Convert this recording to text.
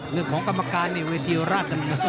เนื่องของกรรมการเนี่ยเวทีราชน์